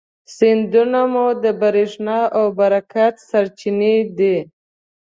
سیندونه مو د برېښنا او برکت سرچینې دي.